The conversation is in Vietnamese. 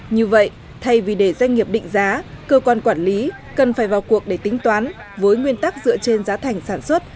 như vậy thay vì để doanh nghiệp định giá cơ quan quản lý cần phải vào cuộc để tính toán với nguyên tắc dựa trên giá thành sản xuất